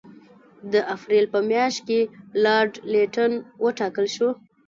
د اپرېل په میاشت کې لارډ لیټن وټاکل شو.